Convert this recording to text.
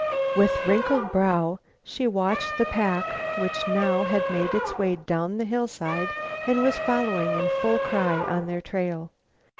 With wrinkled brow she watched the pack which now had made its way down the hillside and was following in full cry on their trail.